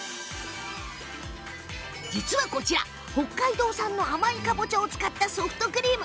こちら北海道産の甘いかぼちゃを使ったソフトクリーム。